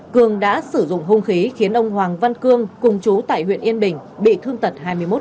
cường đã sử dụng hung khí khiến ông hoàng văn cương cùng chú tại huyện yên bình bị thương tật hai mươi một